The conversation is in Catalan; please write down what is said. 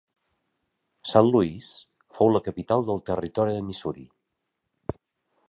St. Louis fou la capital del territori de Missouri.